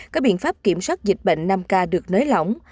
các biện pháp kiểm soát dịch bệnh năm k được nới lỏng